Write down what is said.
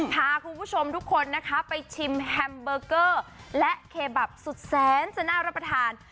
พาคุณผู้ชมทุกคนนะคะไปชิมแฮมเบอร์เกอร์และเคบับสุดแสนจะน่ารับประทาน